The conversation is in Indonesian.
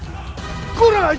jangan lupa menemani kami